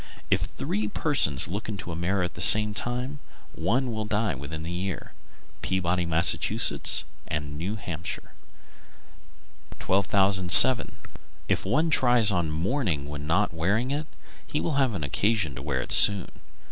If three persons look into a mirror at the same time, one will die within the year. Peabody, Mass., and New Hampshire. 1207. If one try on mourning when not wearing it, he will have occasion to wear it soon.